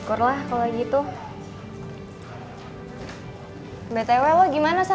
udah baik kan